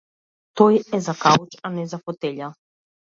Тој е за кауч, а не за фотеља.